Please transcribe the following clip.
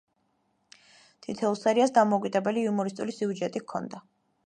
თითოეულ სერიას დამოუკიდებელი იუმორისტული სიუჟეტი ჰქონდა.